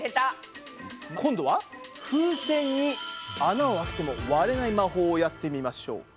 今度は風船に穴を開けても割れない魔法をやってみましょう。